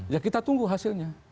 ya kita tunggu hasilnya